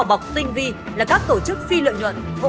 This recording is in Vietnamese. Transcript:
dưới vỏ bọc tinh vi là các tổ chức phi lợi nhuận hỗ trợ về tài chính